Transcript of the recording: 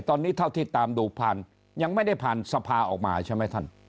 ตอนนี้เท่าที่ตามดูผ่านยังไม่ได้ผ่านสภาออกมาใช่ไหมท่าน